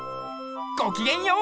ごきげんよう！